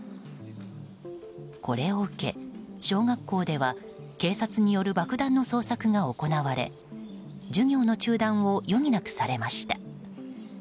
これを受け小学校では警察による爆弾の捜索が行われ授業の中断を余儀なくされました。